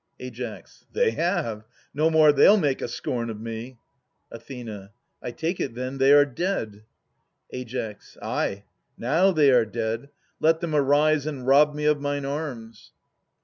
Ai. They have. No more they '11 make a scorn of me ! Ath. I take it, then, they are dead. Ai. Ay, now they are dead. Let them arise and rob me of mine arms